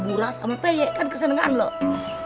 buras sama peyek kan kesenengan loh